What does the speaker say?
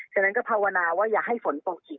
ฉะนั้นก็ภาวนาว่าอย่าให้ฝนตกอีก